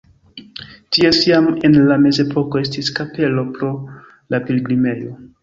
Tie jam en la mezepoko estis kapelo pro la pilgrimejo.